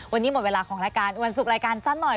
วันนี้หมดเวลาของรายการวันศุกร์รายการสั้นหน่อย